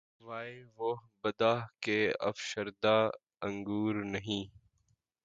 وائے! وہ بادہ کہ‘ افشردۂ انگور نہیں